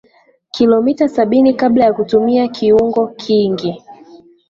Kilomita sabini kabla ya kutumia kiuno kingi